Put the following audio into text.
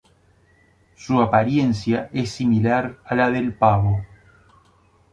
Su apariencia es similar a la del pavo.